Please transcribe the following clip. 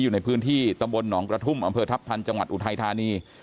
อยู่ในพื้นที่ตำบลหนองกระทุ่มอำเภอทัพทันจังหวัดอุทัยธานี